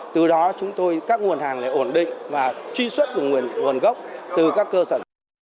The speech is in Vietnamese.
từ đó các nguồn hàng đã ổn định và truy xuất được nguồn gốc từ các cơ sở